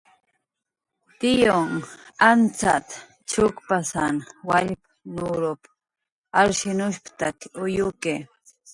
"Tiyunh ancxacx chukpasan wallp"" nurup"" alshinushp""taki uyuki."